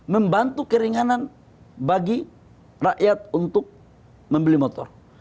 membantu keringanan bagi rakyat untuk membeli motor